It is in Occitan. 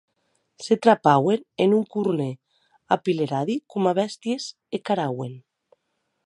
Se trapauen en un cornèr apileradi coma bèsties e carauen.